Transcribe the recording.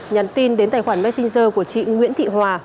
nhắn tin đến tài khoản messenger của chị nguyễn thị hòa